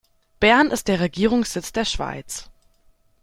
Bern ist der Regierungssitz der Schweiz.